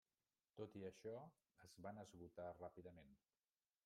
Tot i això, es van esgotar ràpidament.